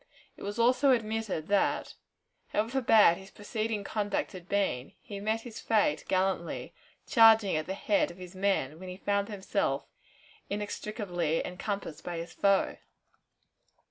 It was also admitted that, however bad his preceding conduct had been, he met his fate gallantly, charging at the head of his men when he found himself inextricably encompassed by his foe.